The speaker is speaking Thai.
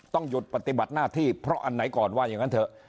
ต้องหยุดปฏิบัติหน้าที่เพราะอันไหนก่อนว่าอย่างนั้นเถอะ